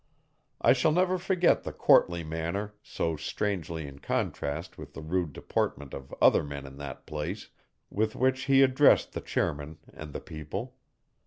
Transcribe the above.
I shall never forget the courtly manner, so strangely in contrast with the rude deportment of other men in that place, with which he addressed the chairman and the people.